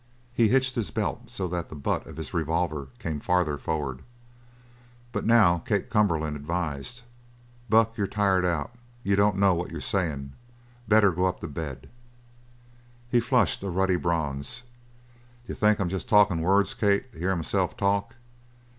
He hitched his belt so that the butt of his revolver came farther forward. But now Kate Cumberland advised: "Buck, you're tired out; you don't know what you're saying. Better go up to bed." He flushed a ruddy bronze. "D'you think I'm jest talkin' words, Kate, to hear myself talk?"